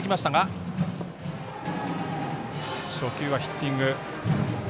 初球はヒッティング。